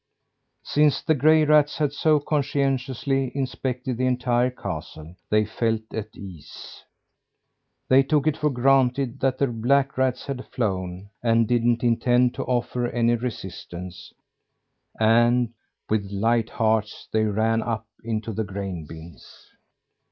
Since the gray rats had so conscientiously inspected the entire castle, they felt at ease. They took it for granted that the black rats had flown, and didn't intend to offer any resistance; and, with light hearts, they ran up into the grain bins.